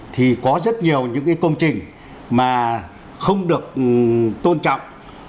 thì có rất nhiều những công trình mà không được tôn trọng